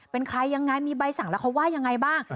เป็นใครยังไงมีใบสั่งแล้วเขาว่ายังไงบ้าง